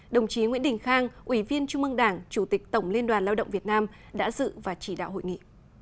đồng chí nguyễn đình khang ủy viên trung mương đảng chủ tịch tổng liên đoàn lao động việt nam đã dự và chỉ đạo hội nghị